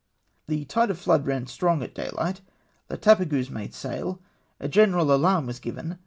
" The tide of flood ran strong at daylight. La Tapageuse made sail. A general alarm was given.